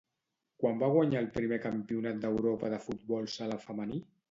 Quan va guanyar el primer Campionat d'Europa de futbol sala femení?